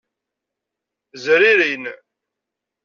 Zririn.